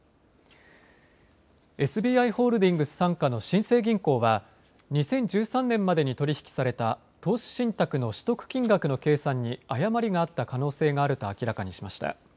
ＳＢＩホールディングス傘下の新生銀行は２０１３年までに取り引きされた投資信託の取得金額の計算に誤りがあった可能性があると明らかにしました。